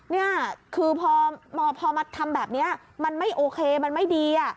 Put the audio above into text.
นี่คือพอมาทำแบบนี้มันไม่โอเคมันไม่ดี